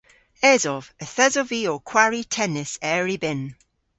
Esov. Yth esov vy ow kwari tennis er y bynn.